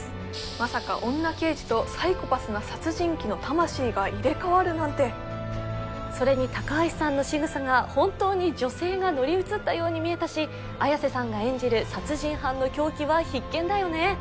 まさか女刑事とサイコパスな殺人鬼の魂が入れ替わるなんてそれに高橋さんのしぐさが本当に女性が乗り移ったように見えたし綾瀬さんが演じる殺人犯の狂気は必見だよね